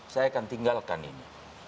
saya akan tinggalkan ini